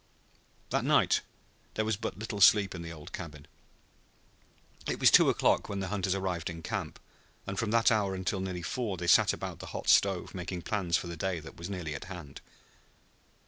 That night there was but little sleep in the old cabin. It was two o'clock when the hunters arrived in camp and from that hour until nearly four they sat about the hot stove making plans for the day that was nearly at hand.